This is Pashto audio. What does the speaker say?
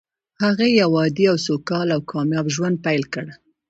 هغه يو عادي او سوکاله او کامياب ژوند پيل کړ.